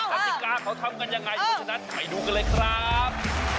หัตติกาเขาทำกันยังไงทุกฝนถัดไปดูกันเลยครับ